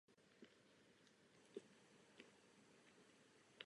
Revoluční komunisté historicky vycházeli z odporu ke stalinismu.